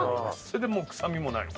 それでもう臭みもない。